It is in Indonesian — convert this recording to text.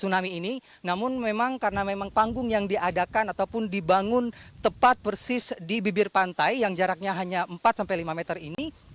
namun memang karena memang panggung yang diadakan ataupun dibangun tepat persis di bibir pantai yang jaraknya hanya empat sampai lima meter ini